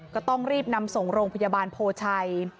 ก็ต้องรีบนำส่งโรงพยาบาลโพชัย